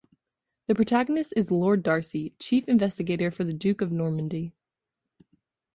The protagonist is Lord Darcy, Chief Investigator for the Duke of Normandy.